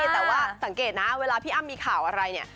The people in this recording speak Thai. แต่ว่าสังเกตนะเวลาพี่อ้ำมีข่าวอะไรเนี่ย